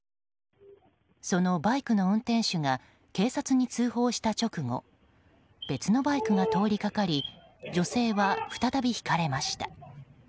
そのバイクの運転手が警察に通報した直後別のバイクが通りかかり女性は再びひかれました。